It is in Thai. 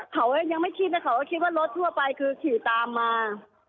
เขายังไม่คิดนะเขาก็คิดว่ารถทั่วไปคือขี่ตามมา